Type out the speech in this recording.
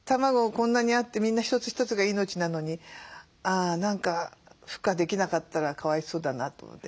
こんなにあってみんな一つ一つが命なのに何かふ化できなかったらかわいそうだなと思って。